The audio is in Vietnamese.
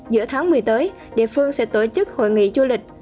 giữa tháng một mươi tới địa phương sẽ tổ chức hội nghị du lịch